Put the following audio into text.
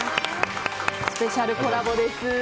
スペシャルコラボです。